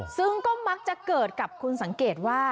ซึ่งก็มักจะเกิดกับคุณสังเกตว่า